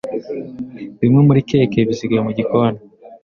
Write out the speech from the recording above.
Bimwe muri keke bisigaye mu gikoni.